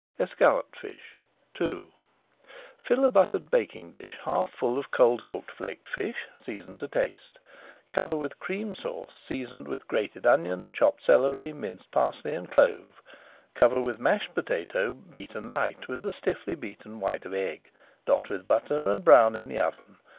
ESCALLOPED FISH II Fill a buttered baking dish half full of cold cooked flaked fish seasoned to taste. Cover with Cream Sauce, seasoned with grated onion, chopped celery, minced parsley, and clove. Cover with mashed potato, beaten light with the stiffly beaten white of egg, dot with butter, and brown in the oven.